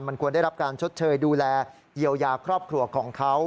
มันควรได้รับการชดเชยดูแลเยียวยาครอบครัวของเขา